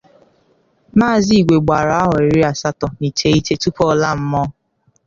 Maazị Igwe gbàrà ahọ iri asatọ na iteghete tupuu ọ laa mmụọ.